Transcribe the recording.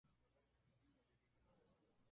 El jugador toma el papel de Batman o Robin.